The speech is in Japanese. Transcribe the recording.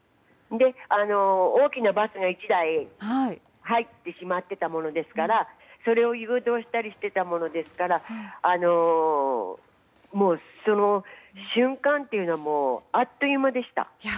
大きなバスが１台入ってしまってたものですからそれを誘導したりしていたものですからもう、その瞬間というのはあっという間でした。